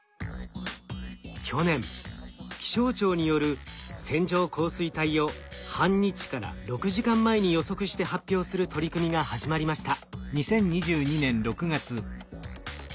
去年気象庁による線状降水帯を半日から６時間前に予測して発表する取り組みが始まりました。